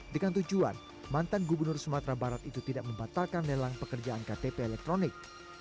dengan tujuan mantan gubernur sumatera barat itu tidak membatalkan lelang pekerjaan ktp elektronik